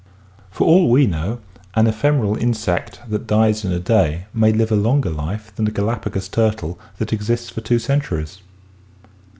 — Festus. For all we know an ephemeral insect that dies in a day may live a longer life than a Galapagos turtle that exists for two centuries.